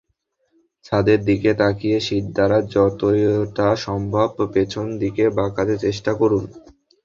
ছাদের দিকে তাকিয়ে শিরদাঁড়া যতটা সম্ভব পেছন দিকে বাঁকাতে চেষ্টা করুন।